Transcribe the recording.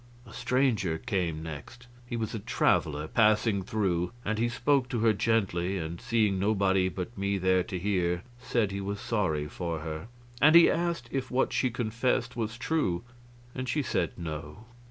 A stranger came next. He was a traveler, passing through; and he spoke to her gently, and, seeing nobody but me there to hear, said he was sorry for her. And he asked if what she confessed was true, and she said no.